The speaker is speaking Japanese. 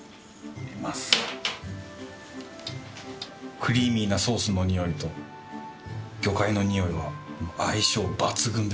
クリーミーなソースのにおいと魚介のにおいは相性抜群ですね。